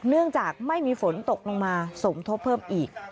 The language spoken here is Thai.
เนื่องจากไม่มีฝนตกลงมาสมทบเพิ่มอีก